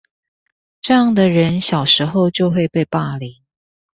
這樣的人小時候就會被霸凌